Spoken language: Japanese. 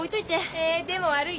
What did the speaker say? えでも悪い。